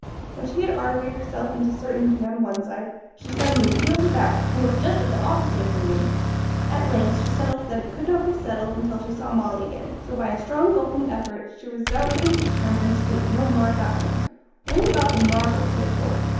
When she had argued herself into certainty on one side, she suddenly wheeled about, and was just of the opposite opinion. At length she settled that it could not be settled until she saw Molly again; so, by a strong gulping effort, she resolutely determined to think no more about him, only about the marvels he had told.